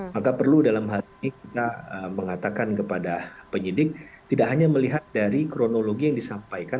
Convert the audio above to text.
maka perlu dalam hal ini kita mengatakan kepada penyidik tidak hanya melihat dari kronologi yang disampaikan